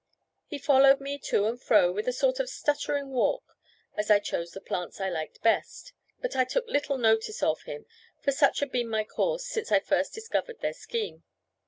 He followed me to and fro, with a sort of stuttering walk, as I chose the plants I liked best; but I took little notice of him, for such had been my course since I first discovered their scheme.